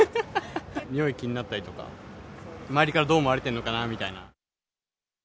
におい気になったりとか、周りからどう思われてるのかなみたいな。